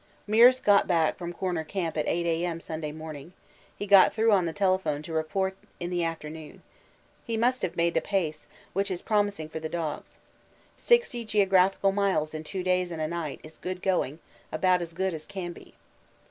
Meares got back from Corner Camp at 8 A.M. Sunday morning he got through on the telephone to report in the afternoon. He must have made the pace, which is promising for the dogs. Sixty geographical miles in two days and a night is good going about as good as can be.